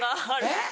えっ？